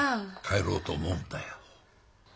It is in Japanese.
帰ろうと思うんだよ。